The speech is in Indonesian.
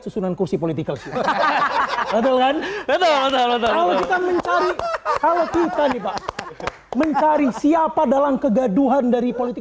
susunan kursi politik ke betul betul mencari mencari siapa dalam kegaduhan dari politik